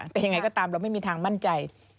แต่ยังไงก็ตามเราไม่มีทางมั่นใจ